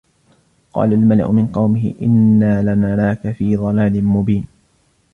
قَالَ الْمَلَأُ مِنْ قَوْمِهِ إِنَّا لَنَرَاكَ فِي ضَلَالٍ مُبِينٍ